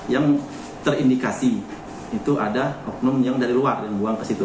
yang terindikasi itu ada oknum yang dari luar yang buang ke situ